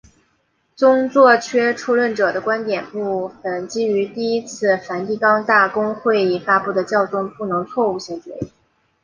宗座缺出论者的观点部分基于第一次梵蒂冈大公会议发布的教宗不能错误性决议。